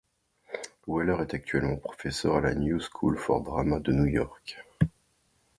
Weller est actuellement professeur à la New School for Drama de New York.